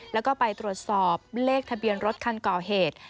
แล้วก็ไปตรวจสอบเลขทะเบียนรถคันก่อเหตุ